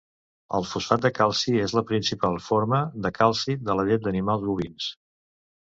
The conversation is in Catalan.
El fosfat de calci és la principal forma de calci de la llet d'animals bovins.